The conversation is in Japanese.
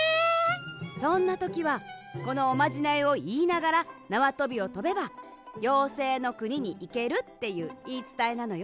そんなときはこのおまじないをいいながらなわとびをとべばようせいのくににいけるっていういいつたえなのよ。